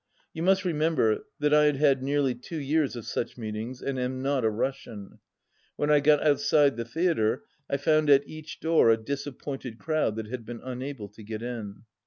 You must remember that I had had nearly two years of such meetings, and am not a Russian. When I got outside the theatre, I found at each door a disappointed crowd that had been unable to get in.